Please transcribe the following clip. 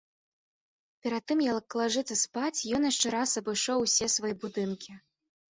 Перад тым як лажыцца спаць, ён яшчэ раз абышоў усе свае будынкі.